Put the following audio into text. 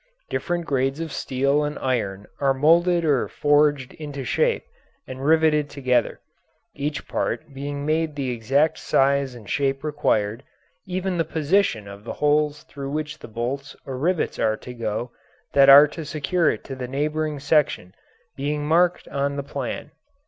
Different grades of steel and iron are moulded or forged into shape and riveted together, each part being made the exact size and shape required, even the position of the holes through which the bolts or rivets are to go that are to secure it to the neighbouring section being marked on the plan.